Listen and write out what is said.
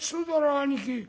兄貴。